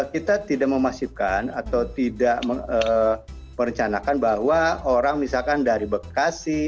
kita tidak memasifkan atau tidak merencanakan bahwa orang misalkan dari bekasi